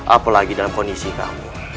apalagi dalam kondisi kamu